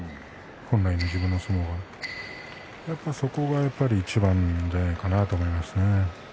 本来の自分の相撲がやっぱりそこがいちばんじゃないかなと思いますね。